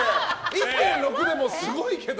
１．６でもすごいけど。